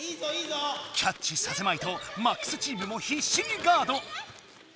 キャッチさせまいとＭＡＸチームもひっしにガード。